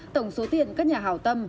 tổng số tiền các nhà hảo tâm